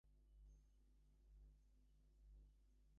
The savings of the people of Sweden were wiped out.